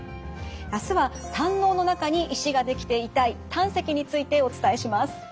明日は胆のうの中に石ができて痛い胆石についてお伝えします。